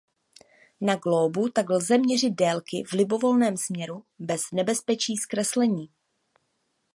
Na glóbu tak lze měřit délky v libovolném směru bez nebezpečí zkreslení.